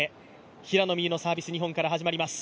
平野美宇のサービス、日本から始まります。